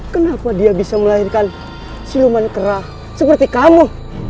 kenapa dia bisa melahirkan siluman kerah seperti kamu